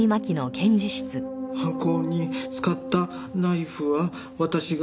「犯行に使ったナイフは私が」。